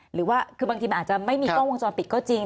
หรือว่าคือบางทีมันอาจจะไม่มีกล้องวงจรปิดก็จริง